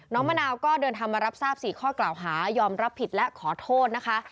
มะนาวก็เดินทางมารับทราบ๔ข้อกล่าวหายอมรับผิดและขอโทษนะคะ